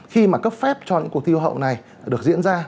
khi mà cấp phép cho những cuộc thi hậu này được diễn ra